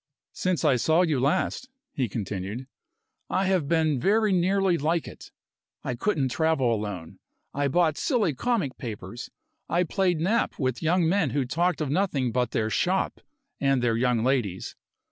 "Since I saw you last," he continued, "I have been very nearly like it. I couldn't travel alone, I bought silly comic papers, I played nap with young men who talked of nothing but their 'shop' and their young ladies.